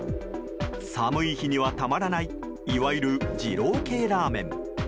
寒い日にはたまらないいわゆる二郎系ラーメン。